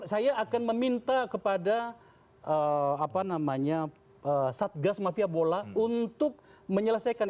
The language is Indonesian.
saya akan meminta kepada satgas mafia bola untuk menyelesaikan